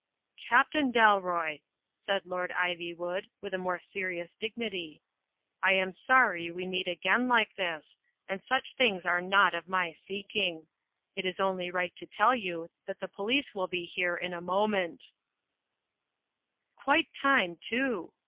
"Captain Dalroy," said Lord Ivywood, with a more serious dignity, "I am sorry we meet again like this, a«d such things are not of my seeking. It is only right to tell you that the police will be here in a mo ment" "Quite time, too!"